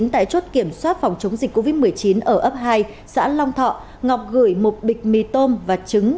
tại chốt kiểm soát phòng chống dịch covid một mươi chín ở ấp hai xã long thọ ngọc gửi một bịch mì tôm và trứng